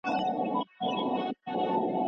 تور، سور، زرغون